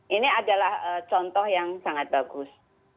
ini adalah contoh yang sangat bagus